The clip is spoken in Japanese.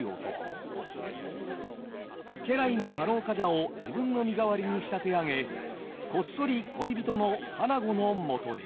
家来の太郎冠者を自分の身代わりに仕立て上げこっそり恋人の花子のもとへ。